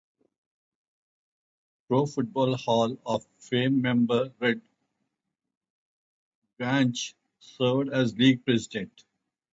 Pro Football Hall of Fame member Red Grange served as league president.